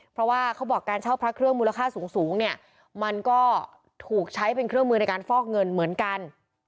เพราะว่าเขาบอกการเช่าพระเครื่องมูลค่าสูงเนี่ยมันก็ถูกใช้เป็นเครื่องมือในการฟอกเงินเหมือนกัน